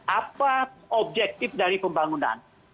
apa objektif dari pembangunan